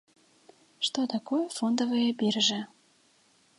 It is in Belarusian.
Што такое фондавыя біржы?